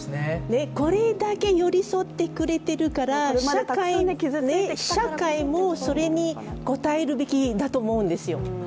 これだけ寄り添ってくれてるから社会もそれに応えるべきだと思うんですよ。